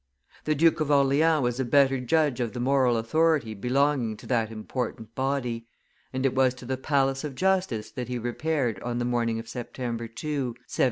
The Duke of Orleans was a better judge of the moral authority belonging to that important body; and it was to the Palace of Justice that he repaired on the morning of September 2, 1715.